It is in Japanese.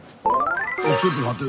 ちょっと待って。